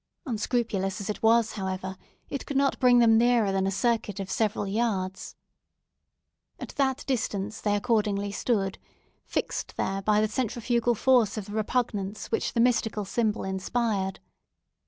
Unscrupulous as it was, however, it could not bring them nearer than a circuit of several yards. At that distance they accordingly stood, fixed there by the centrifugal force of the repugnance which the mystic symbol inspired.